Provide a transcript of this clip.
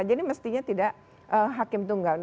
jadi mestinya tidak hakim tunggal